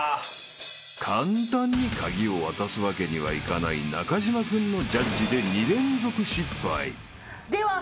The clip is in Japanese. ［簡単に鍵を渡すわけにはいかない中島君のジャッジで］では。